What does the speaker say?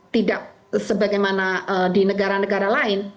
tidak sebagaimana di negara negara lain